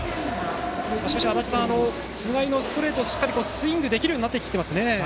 しかし、足達さん菅井のストレートをしっかりとスイングできるようになってきましたね。